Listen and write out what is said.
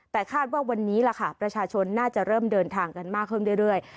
แต่คาดว่าวันนี้ล่ะค่ะประชาชนน่าจะเริ่มเดินทางกันมากขึ้นเรื่อย